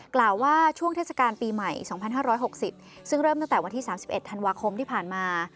กล่าวว่าช่วงเทศกาลปีใหม่๒๕๖๐ซึ่งเริ่มตั้งแต่วันที่๓๑ธันวาคมที่ผ่านมา